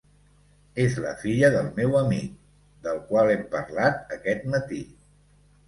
És la filla del meu amic, del qual hem parlat aquest matí.